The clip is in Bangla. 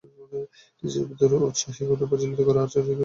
নিজের ভিতর উৎসাহাগ্নি প্রজ্বলিত কর, আর চারিদিকে বিস্তার করিতে থাক।